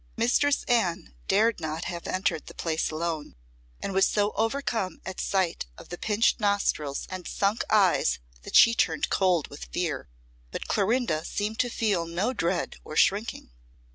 Mistress Anne dared not have entered the place alone, and was so overcome at sight of the pinched nostrils and sunk eyes that she turned cold with fear. But Clorinda seemed to feel no dread or shrinking.